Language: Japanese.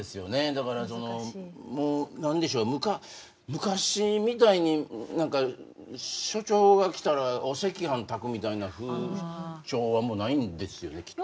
だからそのもう何でしょう昔みたいに何か初潮が来たらお赤飯炊くみたいな風潮はもうないんですよねきっと。